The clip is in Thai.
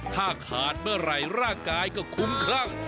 ถ้าขาดเมื่อไหร่ร่างกายก็คุ้มครั่ง